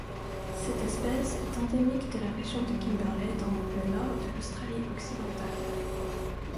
Cette espèce est endémique de la région de Kimberley dans le nord de l'Australie-Occidentale.